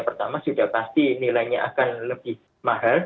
pertama sudah pasti nilainya akan lebih mahal